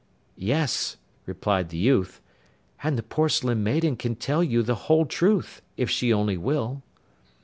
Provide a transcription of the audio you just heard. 'Yes,' replied the youth, 'and the Porcelain Maiden can tell you the whole truth, if she only will.